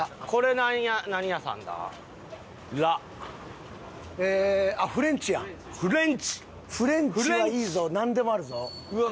なんでもあるぞ。